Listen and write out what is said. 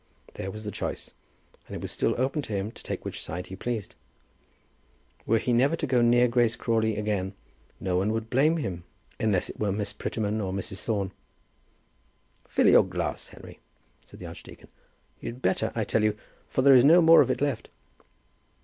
There was the choice, and it was still open to him to take which side he pleased. Were he never to go near Grace Crawley again no one would blame him, unless it were Miss Prettyman or Mrs. Thorne. "Fill your glass, Henry," said the archdeacon. "You'd better, I tell you, for there is no more of it left."